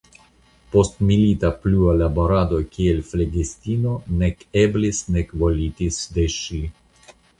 Postmilita plua laborado kiel flegistino nek eblis nek volitis de ŝi.